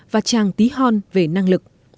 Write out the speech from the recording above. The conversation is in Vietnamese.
và trang tí hon về năng lực